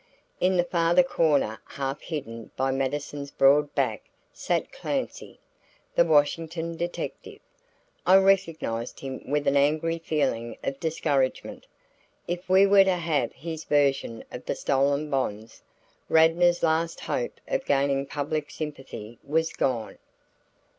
In the farther corner half hidden by Mattison's broad back sat Clancy, the Washington detective. I recognized him with an angry feeling of discouragement. If we were to have his version of the stolen bonds, Radnor's last hope of gaining public sympathy was gone.